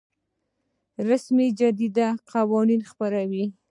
رسمي جریده قوانین خپروي